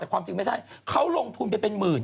แต่ความจริงไม่ใช่เขาลงทุนไปเป็นหมื่น